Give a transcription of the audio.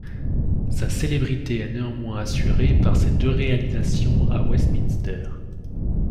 Sa célébrité est néanmoins assurée par ses deux réalisations à Westminster.